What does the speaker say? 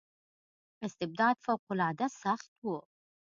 استبداد فوق العاده سخت و.